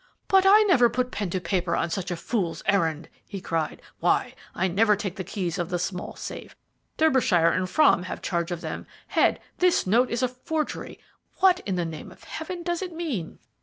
"But I never put pen to paper on such a fool's errand," he cried. "Why, I never take the keys of the small safe. Derbyshire and Frome have charge of them. Head, this note is a forgery. What in the name of Heaven does it mean?"